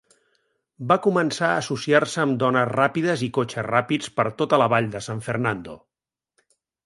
Va "començar a associar-se amb dones ràpides i cotxes ràpids per tota la vall de San Fernando".